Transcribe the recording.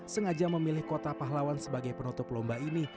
sengaja memilih kota pahlawan sebagai penutup lomba ini